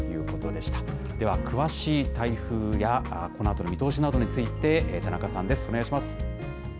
では、詳しい台風やこのあとの見通しなどについて、田中さんです。